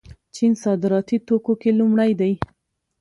چین صادراتي توکو کې لومړی دی.